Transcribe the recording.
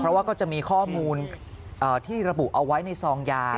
เพราะว่าก็จะมีข้อมูลที่ระบุเอาไว้ในซองยา